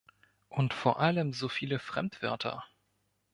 Und vor allem so viele Fremdwörter.